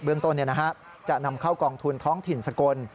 เรื่องต้นจะนำเข้ากองทุนท้องถิ่นสกล